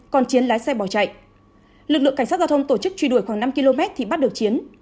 còn chiến lái xe bỏ chạy lực lượng cảnh sát giao thông tổ chức truy đuổi khoảng năm km thì bắt được chiến